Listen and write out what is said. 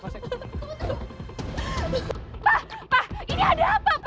pak pak ini ada apa pak